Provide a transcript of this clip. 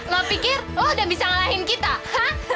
gak pikir lo udah bisa ngalahin kita hah